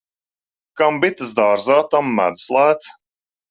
Kam bites dārzā, tam medus lēts.